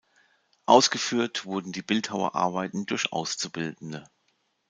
Ausgeführt wurden die Bildhauerarbeiten durch Auszubildende.